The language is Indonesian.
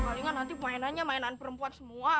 palingan nanti mainannya mainan perempuan semua